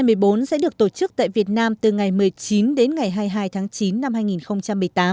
năm một mươi bốn sẽ được tổ chức tại việt nam từ ngày một mươi chín đến ngày hai mươi hai tháng chín năm hai nghìn một mươi tám